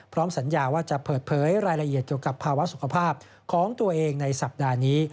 สัญญาว่าจะเปิดเผยรายละเอียดเกี่ยวกับภาวะสุขภาพของตัวเองในสัปดาห์นี้